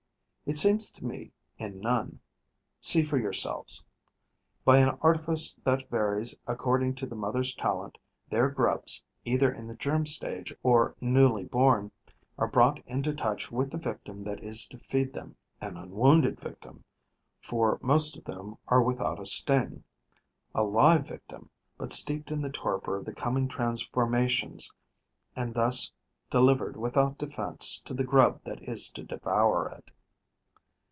It seems to me, in none. See for yourselves. By an artifice that varies according to the mother's talent, their grubs, either in the germ stage or newly born, are brought into touch with the victim that is to feed them: an unwounded victim, for most of them are without a sting; a live victim, but steeped in the torpor of the coming transformations and thus delivered without defence to the grub that is to devour it.